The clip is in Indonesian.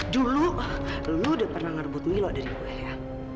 dulu lu udah pernah ngerebut milo dari gue ya